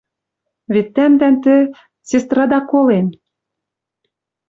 Вет тӓмдӓн тӹ... сестрада колен.